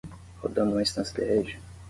Rodando uma instância de rede